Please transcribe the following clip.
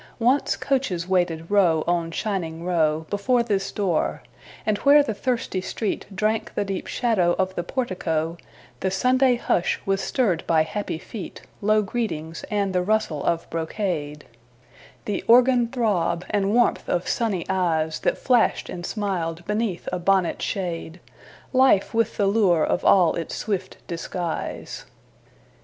Once coaches waited row on shining row Before this door; and where the thirsty street Drank the deep shadow of the portico The Sunday hush was stirred by happy feet, Low greetings, and the rustle of brocade, The organ throb, and warmth of sunny eyes That flashed and smiled beneath a bonnet shade; Life with the lure of all its swift disguise.